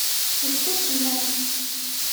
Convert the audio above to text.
D tacennayt.